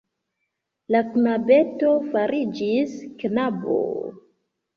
La knabeto fariĝis knabo...